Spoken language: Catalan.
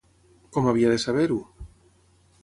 Com havia de saber-ho?